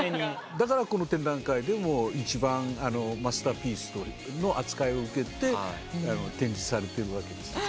だからこの展覧会でも一番マスターピースの扱いを受けて展示されてるわけです。